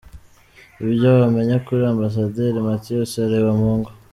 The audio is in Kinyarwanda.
Ibyo wamenya kuri Ambasaderi Mathias Harebamungu.